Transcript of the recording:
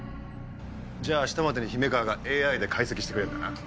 じゃあ明日までに姫川がＡＩで解析してくれるんだな。